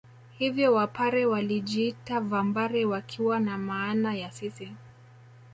Hivyo Wapare walijiita Vambare wakiwa na maana ya sisi